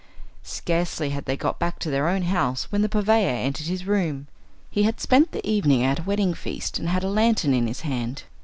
Scarcely had they got back to their own house when the purveyor entered his room. He had spent the evening at a wedding feast, and had a lantern in his hand.